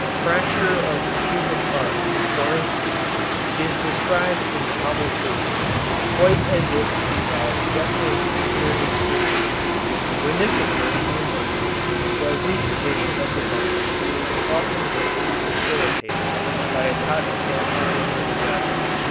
Fracture of the pubic arch, for instance, is described in Abulcasis quite as if he had had definite experience with it. When this occurs in a woman, the reposition of the bone is often greatly facilitated by a cotton tampon in the vagina.